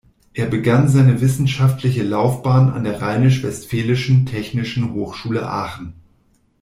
Er begann seine wissenschaftliche Laufbahn an der Rheinisch-Westfälischen Technischen Hochschule Aachen.